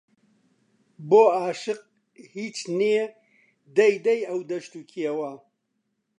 بۆ ئاشق هیچ نێ دەی دەی ئەو دەشت و کێوە